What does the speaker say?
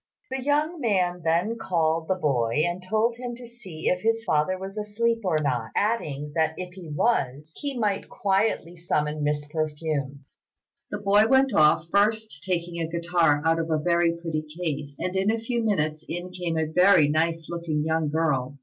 The young man then called the boy and told him to see if his father was asleep or not; adding, that if he was, he might quietly summon Miss Perfume. The boy went off, first taking a guitar out of a very pretty case; and in a few minutes in came a very nice looking young girl.